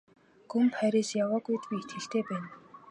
Гүн Парис яваагүйд би итгэлтэй байна.